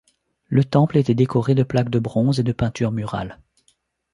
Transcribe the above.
Le temple était décoré de plaques de bronze et de peintures murales.